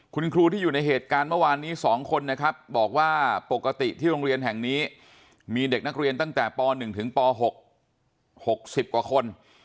คุณครูที่อยู่ในเหตุการณ์เมื่อวานนี้๒คนนะครับบอกว่าปกติที่โรงเรียนแห่งนี้มีเด็กนักเรียนตั้งแต่ป๑ถึงป๖๖๐กว่าคน